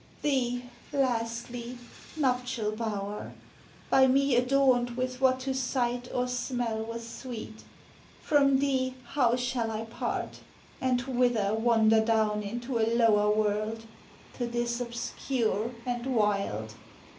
Thee, lastly, nuptial bower! by me adorned With what to sight or smell was sweet, from thee How shall I part, and whither wander down Into a lower world, to this obscure And wild?